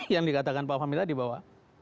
yang dikatakan pak fahmi tadi bahwa